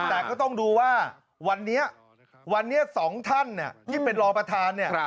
แต่ก็ต้องดูว่าวันนี้๒ท่านที่เป็นรองประธาน